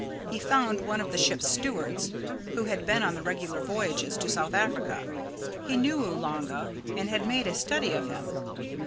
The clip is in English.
He found one of the ship's stewards, who had been on the regular voyages to South Africa. He knew Oolanga and had made a study of him.